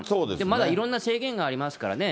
まだいろんな制限がありますからね。